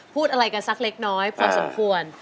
พูดอะไรกันสักเล็กน้อยพอสมควร